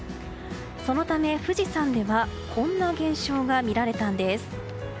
そのため、富士山ではこんな現象が見られたんです。